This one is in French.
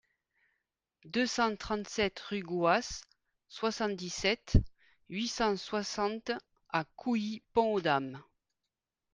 deux cent trente-sept rue Gouas, soixante-dix-sept, huit cent soixante à Couilly-Pont-aux-Dames